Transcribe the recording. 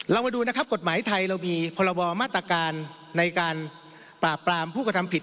มาดูนะครับกฎหมายไทยเรามีพรบมาตรการในการปราบปรามผู้กระทำผิด